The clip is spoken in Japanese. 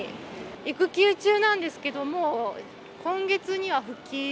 育休中なんですけども、今月には復帰。